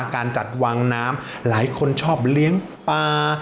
การจัดวางน้ำหลายคนชอบเลี้ยงปลา